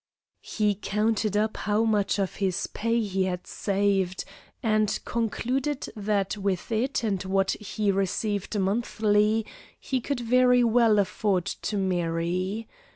He counted up how much of his pay he had saved, and concluded that with it and with what he received monthly he could very well afford to marry.